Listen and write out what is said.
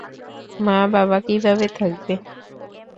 মা বাবা কীভাবে থাকবে?